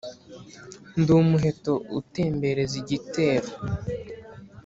ndi umuheto utembereza igitero